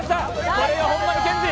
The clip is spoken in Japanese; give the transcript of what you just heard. これが本並健治！